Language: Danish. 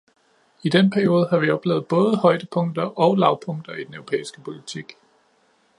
I den periode har vi oplevet både højdepunkter og lavpunkter i den europæiske politik.